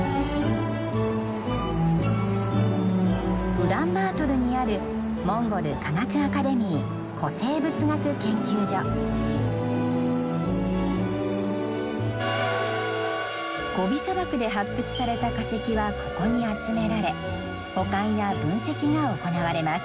ウランバートルにあるゴビ砂漠で発掘された化石はここに集められ保管や分析が行われます。